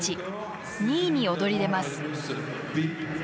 ２位に躍り出ます。